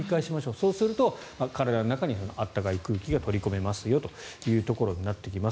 そうすると体の中に暖かい空気が取り込めますよとなってきます。